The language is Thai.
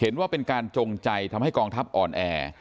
เห็นว่าเป็นการจงใจทำให้กองทัพอ่อนแอ